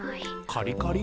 カリカリ？